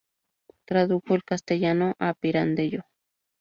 Tradujo al castellano a Pirandello.